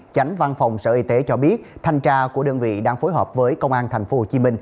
chánh văn phòng sở y tế cho biết thanh tra của đơn vị đang phối hợp với công an tp hcm